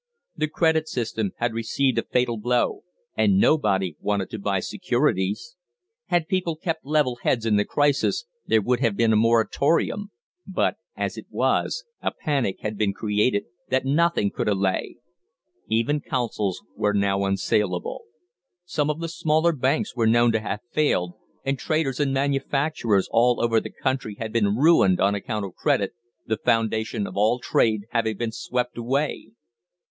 The credit system had received a fatal blow, and nobody wanted to buy securities. Had people kept level heads in the crisis there would have been a moratorium, but, as it was, a panic had been created that nothing could allay. Even Consols were now unsaleable. Some of the smaller banks were known to have failed, and traders and manufacturers all over the country had been ruined on account of credit, the foundation of all trade, having been swept away.